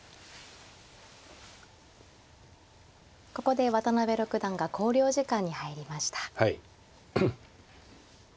ここで渡辺六段が考慮時間に入りました。